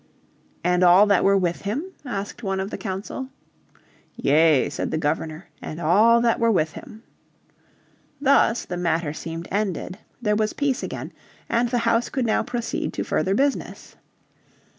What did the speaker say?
"And all that were with him?" asked one of the council. "Yea," said the Governor, "and all that were with him." Thus the matter seemed ended. There was peace again and the House could now proceed to further business.